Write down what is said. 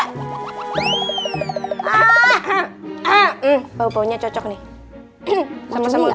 ah ah ah eh bau baunya cocok nih sama sama enak